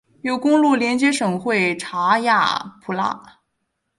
有公路连接省会查亚普拉。